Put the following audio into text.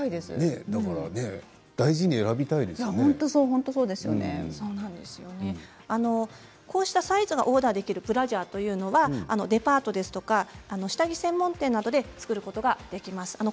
だから大事にこうしたサイズがオーダーできるブラジャーというのはデパートや下着専門店などで作ることができます。